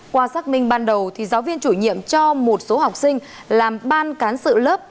qua xác minh ban đầu giáo viên chủ nhiệm cho một số học sinh làm ban cán sự lớp